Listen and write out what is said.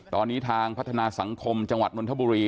ตอนนี้ทางพัฒนาสังคมจังหวัดนนทบุรี